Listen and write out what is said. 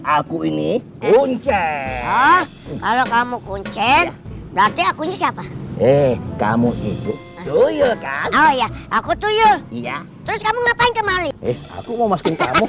aku ini kuncin kamu kuncin berarti aku siapa eh kamu itu tuyul kamu aku tuyul